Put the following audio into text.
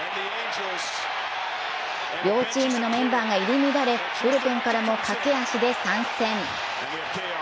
両チームのメンバーが入り乱れブルペンからも駆け足で参戦。